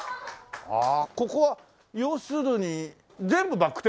ここは要するに全部バク転？